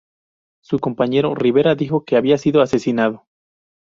Su compañero Rivera dijo que había sido asesinado.